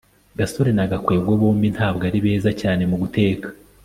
gasore na gakwego bombi ntabwo ari beza cyane mu guteka